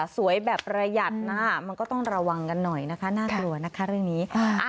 สวยแบบระหยัดมันก็ต้องระวังกันหน่อยน่ากลัวเรื่องนี้